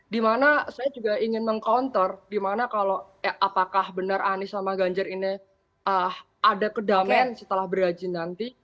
dimana saya juga ingin meng counter dimana kalau apakah benar anies sama ganjar ini ada kedamaian setelah berhaji nanti